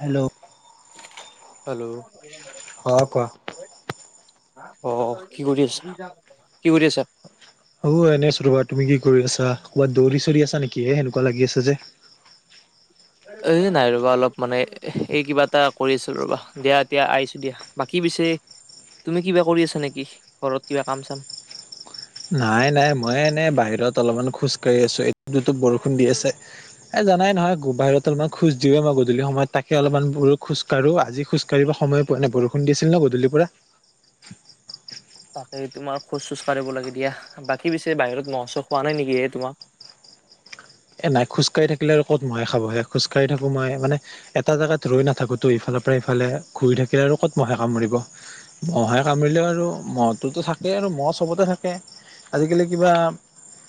Hello, hello অঁ কোৱা? অ কি কৰি আছা? কি কৰি আছা? অ এনেই আছোঁ ৰবা, তুমি কি কৰি আছা? ক'ৰবাত দৌৰি চৌৰি আছা নেকি এনেকুৱা লাগি আছে যে এ নাই ৰবা অলপ মানে এই কিবা এটা কৰি আছো ৰবা দিয়া এতিয়া আহিছো দিয়া বাকী পিছে তুমি কিবা কৰি আছা নেকি? ঘৰত কিবা কাম চাম নাই নাই মই এনেই বাহিৰত অলপমান খোজ কঢ়ি আছো এটোপ দুটোপ বৰষুণ দি আছে এ জানাই নহয় বাহিৰত অলপমান খোজ দিওঁৱে মই গধূলি সময়ত তাকে অলপমানো বোলো খোজ কাঢ়ো, আজি খোজ কাঢ়িব সময় পোৱাই নাই বৰষুণ দি আছিল ন গধূলি পৰা তাকে তোমাৰ খোজ চোজ কাঢ়িব লাগে দিয়া, বাকী পিছে বাহিৰত মহ চহ খোৱা নাই নেকি এই তোমাক? এ নাই খোজকাঢ়ি থাকিলে আৰু ক'ত মহে খাব হে। খোজকাঢ়ি থাকো মই মানে এটা জেগাত ৰৈ নাথাকোতো, ইফালৰ পৰা ইফালে ঘূৰি থাকিলে আৰু ক'ত মহে কামূৰিব মহে কামোৰিলেও আৰু মহতো থাকেই আৰু মহ চবতে থাকে। আজিকালি কিবা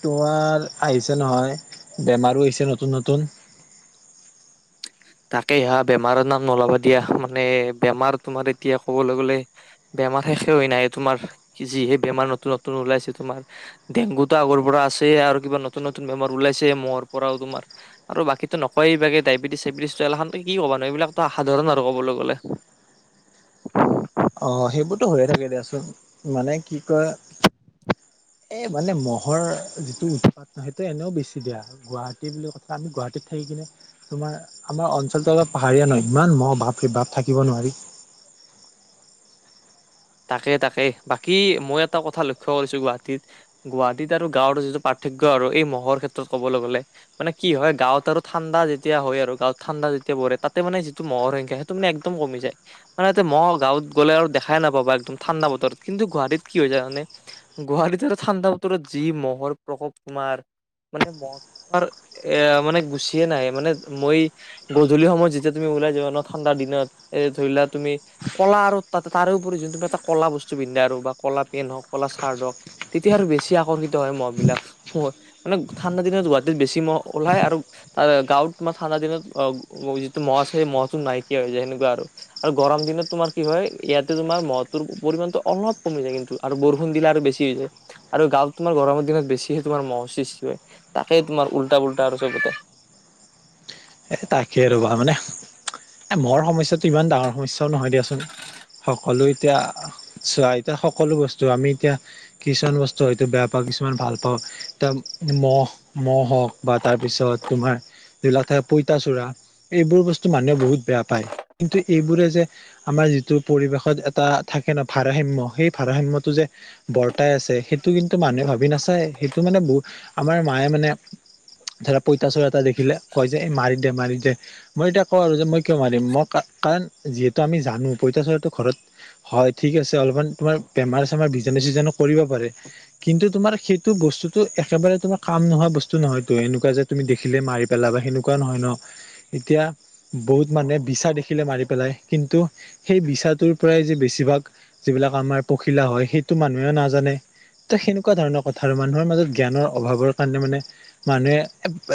তোঁৱাৰ আহিছে নহয়। বেমাৰো হৈছে নতুন নতুন। তাকে হা বেমাৰৰ নাম নোলাবা দিয়া মানে বেমাৰ তোমাৰ এতিয়া ক'বলৈ গ'লে- বেমাৰ শেষে হৈ নাই তোমাৰ যিহে বেমাৰ নতুন নতুন ওলাইছে তোমাৰ। ডেংগুতো আগৰ পৰা আছে, আৰু কিবা নতুন নতুন বেমাৰ ওলাইছে মহৰ পৰাও তোমাৰ- আৰু বাকীতো নকয় এইবাকে ডায়বেটিছ চবেটছ কি কবা এই গিলাননো এইবিক সাধাৰণ আৰু কবলৈ গ'লে। অঁ সেইবোৰতো হৈয়ে থাকে দিয়াচোন মানে কি কয়- এ মানে মহ'ৰ যিটো উৎপাত ন সেইটো এনেও বেছি দিয়া হয়। গুৱাহাটী বুলি কথা আমি গুৱাহাটীত থাকি কিনে- তোমাৰ আমাৰ অঞ্চলটো অলপ পাহাৰীয়া ন ইমান মহ বাপৰে বাপ থাকিব নোৱাৰি। তাকে তাকে, বাকী মই এটা কথা লক্ষ্য কৰিছো গুৱাহাটীত- গুৱাহাটীত আৰু গাঁৱৰ যিটো পাৰ্থক্য আৰু এই মহৰ ক্ষেত্ৰত ক'বলৈ গ'লে- মানে কি হয় গাঁৱত আৰু ঠাণ্ডা যেতিয়া হয় আৰু গাঁৱত ঠাণ্ডা যেতিয়া পৰে তাতে মানে যিটো মহৰ সংখ্যা - একদম কমি যায়, মানেতে মহ গাঁৱত গলে আৰু দেখাই নাপা- একদম ঠাণ্ডা বতৰত কিন্তু গুৱাহাটীত কি হয় হৈ জানানে- গোৱাহাটী ঠাণ্ডা বতৰত যি মহৰ প্ৰকোপ তোমাৰ মানে মহ- তোমাৰ এ মানে গুচিয়ে নাই মানে মই- গধূলি সময়ত যেতিয়া তুমি ওলাই যাবা ন ঠাণ্ডা দিনত এ ধৰিলা তুমি কলা আৰু তাতে তাৰো- যোন এটা কলা বস্ত পিন্ধে আৰু বা কলা পেন হওক কলা ছাৰ্ট হওঁক। তেতিয়া আৰু বেছি আকৰ্ষিত হয় মহ বিলাক। মানে ঠাণ্ডা দিনত গুৱাহাটীত বেছি মহ ওলাই আৰু- তাৰ গাঁৱত মানে ঠাণ্ডা দিনত যিটো মহ আছে সেই মহটো নাইকিয়া হৈ যায় সেনেকুৱা আৰু। আৰু গৰম দিনত তোমাৰ কি হয় ইয়াত- তোমাৰ মহটোৰ পৰিমানটো অলপ কমি যায় কিন্তু আৰু বৰষুণ দিলে আৰু বেছি হৈ যায়। আৰু গাঁৱত তোমাৰ গৰমৰ দিনত বেছিহে তোমাৰ মহ সৃষ্টি হয় তাকে তোমাৰ উল্টা পল্টা আৰু চবতে। এ তাকে ৰ'বা মানে, এ মহৰ সমস্যাটো ইমান ডাঙৰ সমস্যাও নহয় দিয়াচোন। সকলো এতিয়া চোৱা এতিয়া সকলো বস্তু আমি এতিয়া- কিছুমান বস্তু হয়তো বেয়া পাওঁ, কিছুমান ভাল পাওঁ। এ মহ মহ হওক বা তাৰপিছত তোমাৰ ধিলাঠে পইতাচোৰা। এইবোৰ বস্তু মানুহে বহুত বেয়া পায়, কিন্তু এইবোৰে যে- আমাৰ যিটো পৰিৱেশত এটা থাকে ন ভাৰসাম্যয়, সেই ভাৰসাম্যটো যে- বৰ্তাই আছে, সেইটো কিন্তু মানুহে ভাবি নাচায়। সে- টো মানে বহু, আমাৰ মায়ে মানে ধৰা পইতাচোৰা এটা দেখিলে কয়- যে এই মাৰি দে মাৰি দে। মই এতিয়া কওঁ আৰু যে মই কিয় মাৰিম, মই কাৰণ যিহেতু আমি জানো পইতা চুৰাটো ঘৰত- হয় ঠিক আছে অলপমান তোমাৰ বেমাৰ চেমাৰ বীজাণু চিজানু কৰিব পাৰে। কিন্তু তোমাৰ সেইটো বস্তুতটো একেবাৰে তোমাৰ কাম নোহোৱা বস্তু নহয়তো এনেকুৱা যে তুমি দেখিলে মাৰি পেলাবা সেনেকুৱা। এনেকুৱা নহয় ন, এতিয়া- বহুত মানুহে বিচা দেখিলে মাৰি পেলাই, কিন্তু সেই বিচাটোৰ পৰাই যে বেছিভাগ- যিবিলাক আমাৰ পখিলা হয় সেইটো মানুহে নাজানে- ত সেনেকুৱা ধৰণৰ কথা আৰু মানুহৰ মাজত জ্ঞানৰ অভাৱৰ কাৰণে মানে- মানে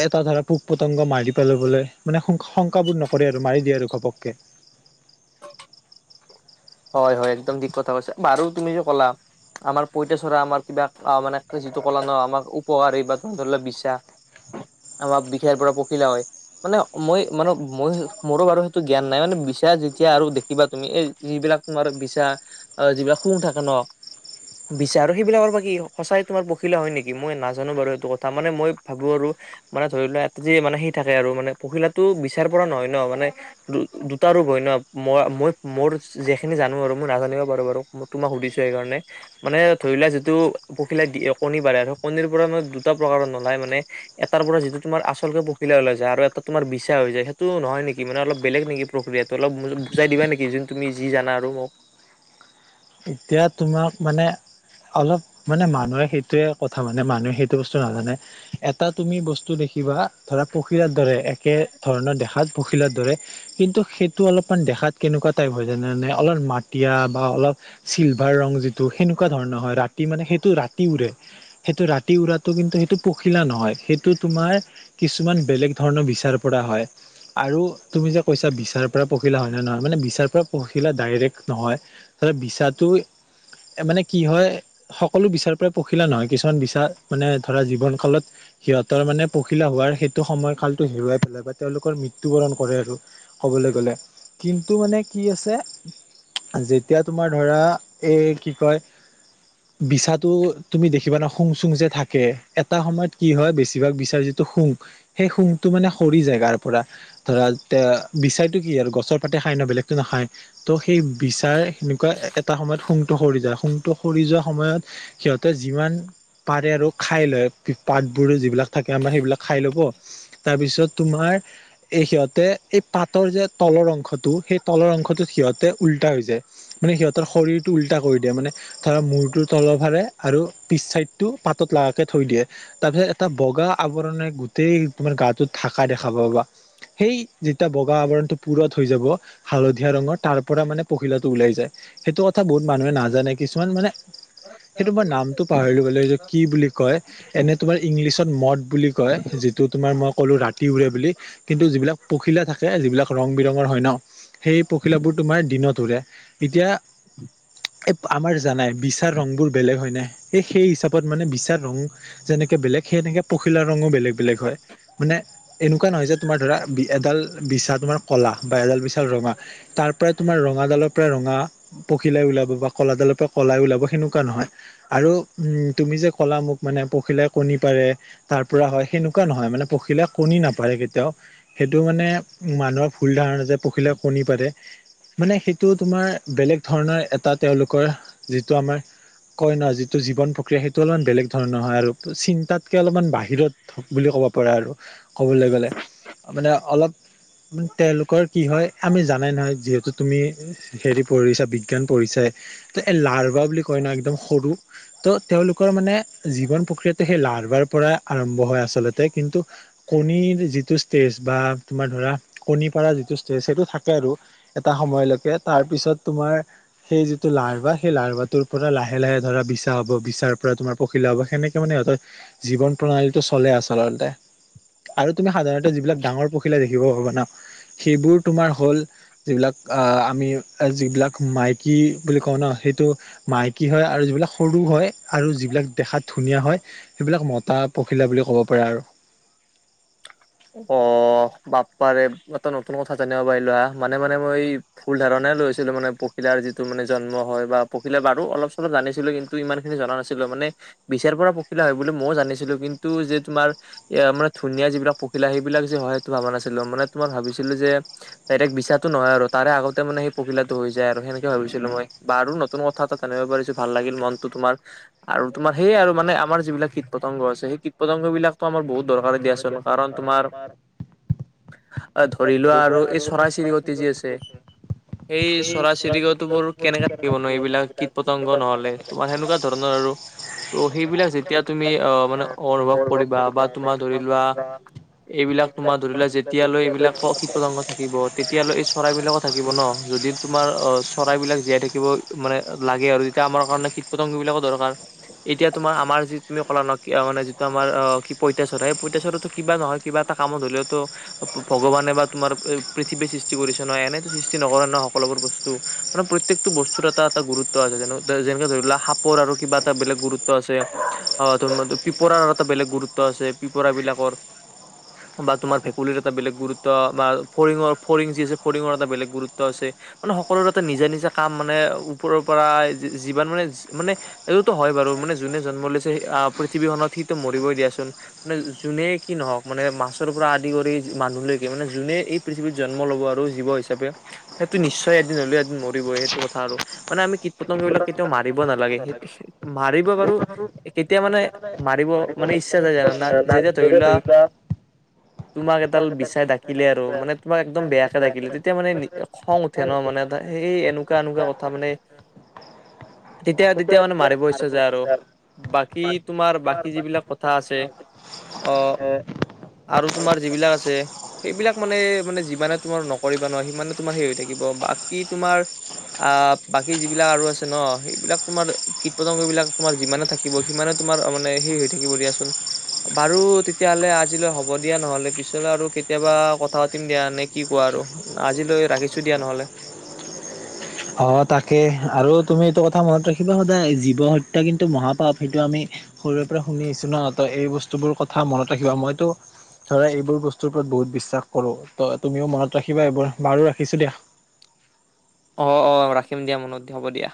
এটা ধৰা পোক পতংগ মাৰি- দি পালো বোলে, মানে শংকাবোধ নকৰে আৰু মাৰি দিয়ে আৰু ঘপকে। হয় হয় একদম ঠিক কথা কৈছে বাৰু তুমি যে কলা- আমাৰ পইতাচৰা আমাৰ কিবা মানে যিটো কলাৰ আমাৰ উপহকাৰী বা ধৰি ল বিচা। [unintelligible] আমাৰ বিখেই পৰা পখিলা হয়। মানে মই মানে মই মোৰো বাৰু সেইটো জ্ঞান নাই মানে বিচাই যেতিয়া আৰু দেখিবা তুমি এই যিবিলাক- তোমাৰ বিছা যিবিলাক শুঙ থাকে ন। বিচা আৰু সেইবিলাকৰ বা কি সঁচাই তোমাৰ পখিলা হয় নেকি? মই নাজানো বাৰু সেইটো কথা মানে মই ভাবো আৰু মানে ধৰি লোৱা এটা যি মানে সি থাকে আৰু মানে পখিলাটো বিচাৰ পৰা নহয় ন' মানে দুটা ৰূপ হয় ন, মই মই মোৰ যে সেইখিনি জানো আৰু মই নাজানিব বাৰু বাৰু। তোমাক সুধিছো সেইকাৰণে। মানে ধৰি লোৱা যিটো পখিলাই দি কণী পাৰে আৰু, কণীৰ পৰা মান দুটা প্ৰকাৰৰ নলায় মানে? এটাৰ পৰা যিটো তোমাৰ আচলকে পখিলা ওলাই যায়, আৰু এটা তোমাৰ বিচা হৈ যায়, সেইটো নহয় নেকি মানে অলপ বেলেগ নেকি প্ৰক্ৰিয়াটো অলপ বুজাই দিবা নেকি যোন তুমি জানা আৰু মোক? এতিয়া তোমাক মানে অলপ মানে মানুহে সেইটোৱে কথা মানে, মানুহে সেইটো বস্তু নাজানে। এটা তুমি বস্তু দেখিবা ধৰা পখিলাৰ দৰে, একে ধৰণৰ দেখাত পখিলাৰ দৰে, কিন্তু সেইটো অলপমান দেখাত কেনেকুৱা টাইপ হয় জানানে? অলপ মাটিয়া বা অলপ চিলভাৰ ৰং যিটো, সেনেকুৱা ধৰণৰ হয় ৰাতি মানে সেইটো ৰাতি উৰে। সেইটো ৰাতি উৰাতটো কিন্তু সেইটো পখিলা নহয়, সেইটো তোমাৰ কিছুমান বেলেগ ধৰণৰ বিচাৰ পৰা হয়। আৰু তুমি যে কৈছা বিচাৰ পৰা পখিলা হয় ন নহয়? মানে বিচাৰ পৰা পখিলা ডাইৰেক্ট নহয় তাতে বিচাটো মানে কি হয়, সকলো বিচাৰ পৰা পখিলা নহয়। কিছুমান বিচাৰ মানে ধৰা জীৱন কালত সিহঁতৰ মানে পখিলা হোৱাৰ সেইটো সময় কালটো হেৰুৱাই পেলাই বা তেওঁলোকৰ মৃত্যু মৃত্যু বৰণ কৰে আৰু ক'বলৈ গ'লে। কিন্তু মানে কি আছে, যেতিয়া তোমাৰ ধৰা এই কি কয় [unintelligible] বিছাটো তুমি দেখিবা না শুং চুং যে থাকে, এটা সময়ত কি হয় বেছিভাগ বিছা যিটো শুং, সেই শুঙটো মানে সৰি যায় গাৰ পৰা। ধৰা এ বিচাইটো কি আৰু গছৰ পাতে খায় ন, বেলেগটো নাখায়, ত' সেই বিচাই এটা সময়ত শুংটো সৰি যায় শুংটো সৰি যোৱা সময়ত, সিহঁতে যিমান পাৰে আৰু খাই লয়। পাতবোৰ যিবিলাক থাকে আমাৰ সেইবিলাক খাই ল'ব, তাৰপিছত তোমাৰ এই সিহঁতে এই পাতৰ যে তলৰ অংশটো, সেই তলৰ অংশটোত সিহঁতে উল্টা হৈ যায়। মানে সিহঁতৰ শৰীৰটো উল্টা কৰি দিয়ে‌, মানে' ধৰা মূৰটো তল ভাৰে আৰু পিচ চাইডটো পাতত লাগাকে থৈ দিয়ে। তাৰপিছত এটা বগা আৱৰণে গোটেই তোমাৰ গাটোত ধাকা দেখা পাবা। সেই যেতিয়া বগা আৱৰণটো পুৰত হৈ যাব হালধীয়া ৰঙৰ, তাৰ পৰা মানে পখিলাটো ওলাই যায়। সেইটো কথা বহুত মানুহে নাজানে। কিছুমান মানে' সেইটো মই নামটো পাহৰিগলো কি বুলি কয় এনে তোমাৰ ইংলিছত মদ বুলি কয়। যিটো তোমাৰ মই ক'লো ৰাতি উৰে বুলি কিন্তু যিবিলাক পখিলা থাকে, যিবিলাক ৰং বিৰঙৰ হয় ন? সেই পখিলাবোৰ তোমাৰ দিনত উৰে। এতিয়া এ আমাৰ জানাই, বিচাৰ ৰং বোৰ বেলেগ হয় নাই? সেই সেই হিচাপত মানে বিচাৰ ৰং যেনেকে বেলেগ, সেইনেকে পখিলা ৰঙো বেলেগ বেলেগ হয়। মানে এনেকুৱা নহয় যে তোমাৰ ধৰা, বি এডাল বিছা তোমাৰ কলা বা এডাল বিচাল ৰঙা, তাৰ পৰাই তোমাৰ ৰঙাডালত ৰঙা পখিলাই ওলাব বা কলাডালৰ পৰা কলাই ওলাব, সেনেকুৱা নহয়। আৰু উম তুমি যে কলা মোক মানে' পখিলাই কণী পাৰে, তাৰ পৰা হয়। সেনেকুৱা নহয় মানে পখিলাই কণী নাপাৰে কেতিয়াওঁ সেইটো মানে মানুহৰ ভূল ধাৰণা যে' পখিলে কণী পাৰে, মানে সেই টো তোমাৰ বেলেগ ধৰণৰ এটা তেওঁলোকৰ যিটো আমাৰ কয় ন' যিটো জীৱন প্ৰক্ৰিয়া সেইটো অলপমান বেলেগ ধৰণৰ হয় আৰু চিন্তাতকে অলপমান বাহিৰত ধক বুলি ক'ব পৰা আৰু ক'বলৈ গ'লে। মানে অলপ তেওঁলোকৰ কি হয় আমি জানাই নহয় যিহেতু তুমি হেৰি পৰিছা বিজ্ঞান পৰিছাই ত এ লাৰবা বুলি কয় ন একদম সৰু ত' তেওঁলোকৰ মানে জীৱন প্ৰক্ৰিয়াটো সেই লাৰবাৰ পৰা আৰম্ভ হয় আচলতে কিন্তু কণীৰ যিটো ষ্টেজ বা তোমাৰ ধৰা কণী পাৰা যিটো ষ্টেজ সেইটো থাকে আৰু এটা সময়লৈকে তাৰপিছত তোমাৰ সেই যিটো লাৰবা সেই লাৰবাটোৰ পৰা লাহে লাহে ধৰা বিছা হ'ব বিচাৰ পৰা তোমাৰ পখিলা হ'ব সেনেকে মানে সিহঁতৰ জীৱন প্ৰণালীটো চলে আচলতে আৰু তুমি সাধাৰণতে যিবিলাক ডাঙৰ পখিলা দেখিব পাবা ন সেইবোৰ তোমাৰ হ'ল যিবিলাক আ আমি যিবিলাক মাইকী বুলি কওঁ ন সেইটো মাইকী হয় আৰু যিবিলাক সৰু হয় আৰু যিবিলাক দেখাত ধুনীয়া হয় সেইবিলাক মতা পখিলা বুলি ক'ব পাৰা আৰু অ বাপ্পাৰে এটা নতুন কথা জানিব পাৰিলো আ মানে মানে মই ভূল ধাৰণে লৈছিলো মানে পখিলাৰ যিটো মানে জন্ম হয় বা পখিলা বাৰু অলপ চলপ জানিছিলো কিন্তু ত ইমান খিনি জনা নাছিলো মানে বিচাৰ পৰা পখিলা হয় বুলি ময়ও জানিছিলো কিন্তু যে তোমাৰ এ মানে ধুনীয়া যিবিলাক পিলা সেইবিলাক যে হয় সেইটো ভাবা নাছিলো মানে তোমাৰ ভাবিছিলো যে ডাইৰেক্ট বিচাটো নহয় আৰু তাৰে আগতে মানে সেই পখিলাটো হৈ যায় আৰু সেনেকে ভাবিছিলো মই বা আৰু নতুন ক থা এটা জানিব পাৰিছো ভাল লাগিল মনটো তোমাৰ আৰু তোমাৰ সেইয়া আৰু মানে আমাৰ যিবিলাক কীট পতংগ আছে সেই কীট পতংগ বিলাক তোমাৰ বহুত দৰকাৰে দিয়াচোন কাৰণ কাৰণ তোমাৰ এ ধৰি লোৱা আৰু এই চৰাই চিৰিকটি যে আছে এই চৰাই চিৰিকতি বোৰ কেনেকে থাকিব ন এইবিলাক কীট পতংগ নহলে তোমাৰ সেনেকুৱা ধৰণৰ আৰু ত' সেইবিলাক যেতিয়া তুমি অহ মানে অনুভৱ কৰিবা বা তোমাৰ ধৰি লোৱা অ এইবিলাক তোমাৰ ধৰি লোৱা যেতিয়ালৈ এইবিলাক প কীট-পতংগ থাক থাকিব তেতিয়াহলে এই চৰাইবিলাকো থাকিব ন যদি তোমাৰ অ চৰাইবিলাক জীয়াই থাকিব মানে লাগে আৰু তেতিয়া আমাৰ কাৰণে কীট পতংগ বিলাকো দৰকাৰ এতিয়া তোমাৰ আমাৰ যি তুমি কলা ন কি মানে যিটো আমাৰ অ কি পইতাচুৰা সেই পইতাচৰাটো কিবা নহয় কি কিবা এটা কামত হ'লেওতো ভ ভ ভগৱানে বা তোমাৰ এই পৃথিৱী সৃষ্টি কৰিছে নহয় এনেতো সৃষ্টি নকৰে নহয় সকলোবোৰ বস্তু মানে প্ৰত্যেকটো বস্তুৰ এটা এটা গুৰুত্ব আছে যেনো যেনেকে ধৰি লোৱা সাপৰ আৰু কিবা এটা বেলেগ গুৰুত্ব আছে অ তোমাৰ পিঁপৰাৰ এটা বেলেগ গুৰুত্ব আছে পিপৰা বিলাকৰ বা তোমাৰ ভেকুলীৰ এটা বেলেগ গুৰুত্ব বা ফৰিঙৰ ফৰিং যি আছে ফৰিঙৰ এটা বেলেগ গুৰুত্ব আছে মানে সকলোৰে এটা নিজা-নিজা কাম মানে ওপৰৰ পৰা যি যিমান মানে-মানে এইটোতো হয় বাৰু মানে যোনে জন্ম লৈছে আহ পৃথিৱীখনত সি মৰিবই দিয়াচোন মানে যোনে কি নহওক মানে মাছৰ পৰা আদি কৰি মানুহলৈকে মানে যোনে এই পৃথিৱীত জন্ম ল'ব আৰু জীৱ হিচাপে সেইটো নিশ্চয় এদিন হলেও এদিন মৰিবই সেইটো কথা আৰু মানে আমি কীট-পতংগবিলাক কেতিয়াও মাৰিব নালাগে সে সে মাৰিব পাৰো কেতিয়া মানে মাৰিব মানে ইচ্ছা যায় জানা না যেতিয়া ধৰি লোৱা তোমাক এডাল বিচাই ডাকি ডাকিলে আৰু মানে তোমাক একদম বেয়াকে ডাকিলে তেতিয়া মানে নি খং উঠে ন মানে সেই এনেকুৱা-এনেকুৱা কথা মানে [unintelligible] তেতিয়া-তেতিয়া মানে মাৰিব ইচ্ছা যায় আৰু বাকী তোমাৰ বাকী যিবিলাক কথা আছে আহ আৰু তোমাৰ যিবিলাক আছে সেইবিলাক মানে-মানে যিমানে তোমাৰ নকৰিবা নোৱা সিমানে তোমাৰ সেই হৈ থাকিব বাকী তোমাৰ আহ বাকী যিবিলাক আৰু আছে ন সেইবিলাক তোমাৰ কীট-পতংগবিলাক তোমাৰ যিমানে থাকিব সিমানে তোমাৰ মানে হেৰি হৈ থাকিব দিয়াচোন, বাৰু [unintelligible] তেতিয়াহ'লে আজিলৈ হ'ব দিয়া নহলে পিছলৈ আৰু কেতিয়াবা কথা পাতিম দিয়া নে কি কোৱা আৰু [unintelligible] আজিলৈ ৰাখিছো দিয়া নহলে [unintelligible] অ' তাকে আৰু তুমি এইটো কথা মনত ৰাখিবা সদায় জীৱ হত্যা কিন্তু মহাপাপ সেইটো আমি [unintelligible] সৰুৰে পৰা শুনি আহিছো ন তই এই বস্তুবোৰ কথা মনত ৰাখিবা মইতো ধৰা এইবোৰ বস্তুৰ ওপৰত বহুত বিশ্বাস কৰো ত' তুমিও মনত ৰাখিবা এইবোৰ বাৰু ৰাখিছো দিয়া। অ-অ ৰাখিম দিয়া মনত, হ'ব দিয়া।